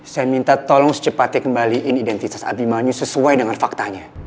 saya minta tolong secepatnya kembali ini identitas abimanyu sesuai dengan faktanya